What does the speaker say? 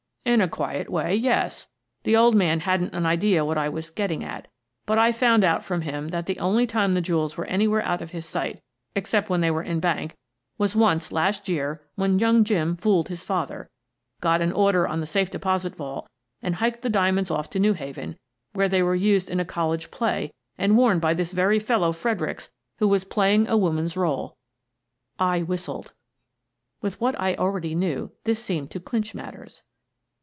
" In a quiet way, yes. The old man hadn't an idea what I was getting at, but I found out from him that the only time the jewels were anywhere out of his sight, except when they were in bank, was once last year when young Jim fooled his father, got an order on the safe deposit vault, and hiked the diamonds off to New Haven, where they were used in a college play and worn by this very fellow, Fredericks, who was playing a woman's role." I whistled. With what I already knew, this seemed to clinch matters.